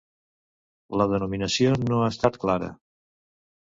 La denominació no ha estat clara.